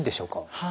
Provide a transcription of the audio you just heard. はい。